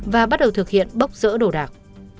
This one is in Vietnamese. và bắt đầu thực hiện bóc rỡ đồ đạc